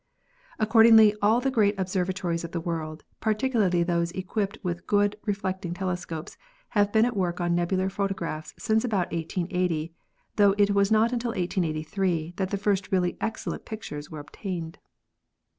Accordingly all the great observatories of the world, particularly those equipped with good reflecting telescopes, have been at work on nebular photographs since about 1880, tho it was not until 1883 that the first really excellent pictures were ob tained.